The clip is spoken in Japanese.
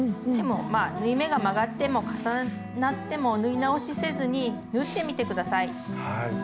でもまあ縫い目が曲がっても重なっても縫い直しせずに縫ってみてください。